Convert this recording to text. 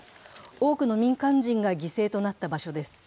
多くの民間人が犠牲となった場所です。